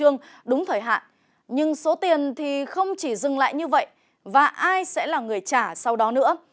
nhưng số tiền thì không chỉ dừng lại như vậy và ai sẽ là người trả sau đó nữa